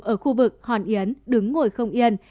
ở khu vực hòn yến đứng ngồi không yên